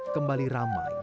kembali ramai di perumahan